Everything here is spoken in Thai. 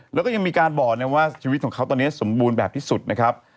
แล้วก็ยังมีการบอกนะว่าชีวิตของเขาตอนนี้สมบูรณ์แบบที่สุดนะครับ